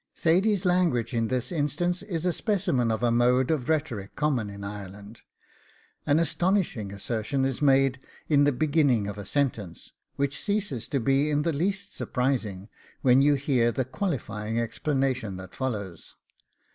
Thady's language in this instance is a specimen of a mode of rhetoric common in Ireland. An astonishing assertion is made in the beginning of a sentence, which ceases to be in the least surprising, when you hear the qualifying explanation that follows.